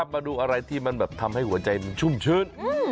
มาดูอะไรที่มันแบบทำให้หัวใจมันชุ่มชื้น